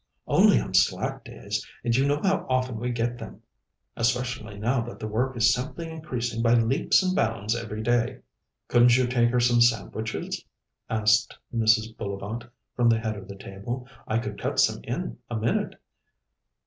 "Only on slack days, and you know how often we get them, especially now that the work is simply increasing by leaps and bounds every day." "Couldn't you take her some sandwiches?" asked Mrs. Bullivant from the head of the table. "I could cut some in a minute."